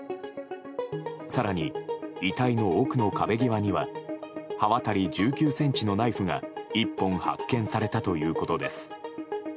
更に、遺体の奥の壁際には刃渡り１９ｃｍのナイフが１本、発見されたということです。